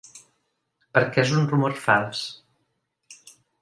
Perquè és un rumor fals.